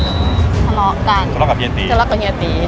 ทะเลาะกับเฮียตี